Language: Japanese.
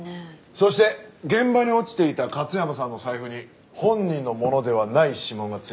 そして現場に落ちていた勝山さんの財布に本人のものではない指紋が付いていました。